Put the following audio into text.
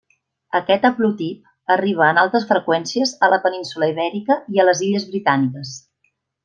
Aquest haplotip arriba en altes freqüències a la península Ibèrica i a les Illes Britàniques.